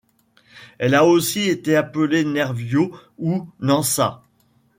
Elle a aussi été appelée Nervio ou Nansa.